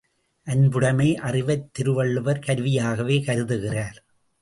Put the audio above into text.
அன்புடைமை அறிவைத் திருவள்ளுவர் கருவியாகவே கருதுகிறார்.